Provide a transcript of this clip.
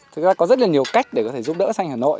thực ra có rất là nhiều cách để có thể giúp đỡ xanh hà nội